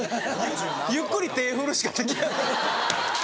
ゆっくり手振るしかできない。